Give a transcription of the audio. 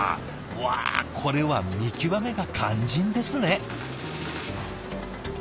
わあこれは見極めが肝心ですね。